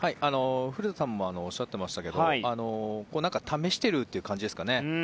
古田さんもおっしゃってましたが試しているという感じですかね。